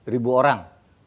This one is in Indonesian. lima belas ribu orang